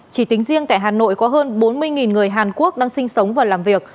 chỉ tính riêng tại hà nội có hơn bốn mươi người hàn quốc đang sinh sống và làm việc